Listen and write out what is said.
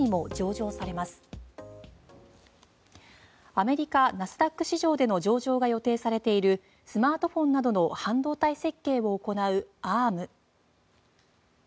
アメリカ、ナスダック市場での上場が予定されているスマートフォンなどの半導体設計を行うアーム。